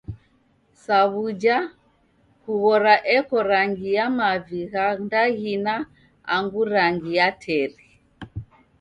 Sa wuja, kughora eko rangi ya mavi gha ndaghina angu rangi ya teri.